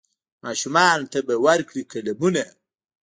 ماشومانو ته به ورکړي قلمونه